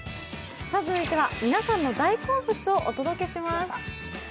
続いては皆さんの大好物をお届けします。